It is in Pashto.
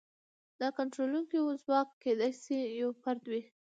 دا کنټرولونکی ځواک کېدای شي یو فرد وي.